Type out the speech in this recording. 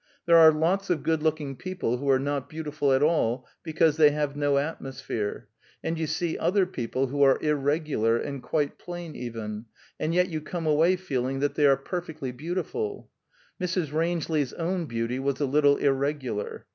There are lots of good looking people who are not beautiful at all, because they have no atmosphere: and you see other people, who are irregular, and quite plain even, and yet you come away feeling that they are perfectly beautiful." Mrs. Rangeley's own beauty was a little irregular.